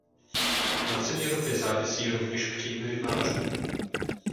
Na ceně ropy závisí rovněž příjmy rybářů.